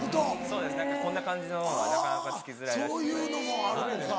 そうです何かこんな感じのはなかなかつきづらいらしくて。